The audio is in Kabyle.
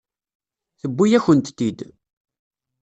Tewwi-yakent-t-id.